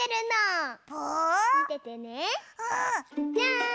じゃん！